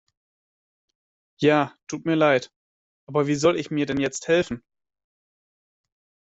Ja, tut mir leid, aber wie soll ich mir denn jetzt helfen?